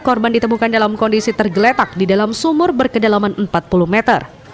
korban ditemukan dalam kondisi tergeletak di dalam sumur berkedalaman empat puluh meter